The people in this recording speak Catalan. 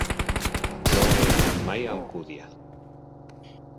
No he anat mai a l'Alcúdia.